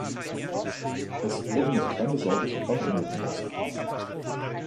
Es wurden noch keine saudischen Banknoten ausgegeben.